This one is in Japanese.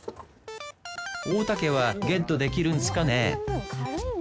大竹はゲットできるんすかね？